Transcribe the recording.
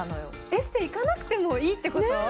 エステ、行かなくてもいいってこと？